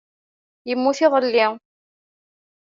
Yemmut iḍelli.